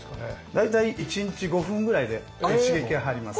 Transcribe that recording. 大体１日５分ぐらいで刺激が入ります。